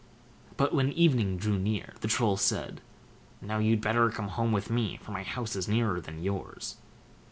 But when even drew near, the Troll said: "Now you'd better come home with me, for my house is nearer than yours."